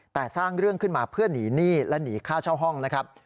แต่สร้างเรื่องขึ้นมาเพื่อหนีหนี้และหนีค่าเช่าห้องนะครับ